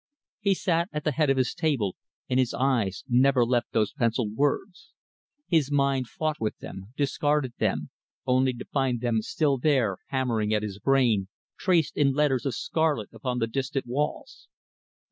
He sat at the head of his table, and his eyes never left those pencilled words. His mind fought with them, discarded them, only to find them still there hammering at his brain, traced in letters of scarlet upon the distant walls.